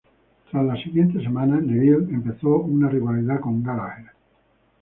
Tras las siguientes semanas, Neville empezó una rivalidad con Gallagher.